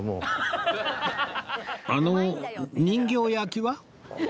あの人形焼は？